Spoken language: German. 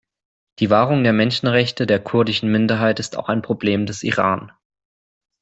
Die Wahrung der Menschenrechte der kurdischen Minderheit ist auch ein Problem des Iran.